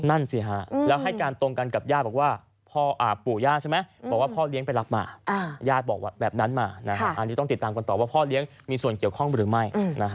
นั่นสิฮะแล้วให้การตรงกันกับญาติบอกว่าปู่ย่าใช่ไหมบอกว่าพ่อเลี้ยงไปรับมาญาติบอกแบบนั้นมาอันนี้ต้องติดตามกันต่อว่าพ่อเลี้ยงมีส่วนเกี่ยวข้องหรือไม่